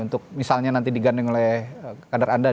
untuk misalnya nanti digandeng oleh kader anda